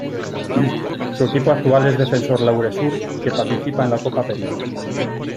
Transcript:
Su equipo actual es Defensor Laure Sur que participa en la Copa Perú.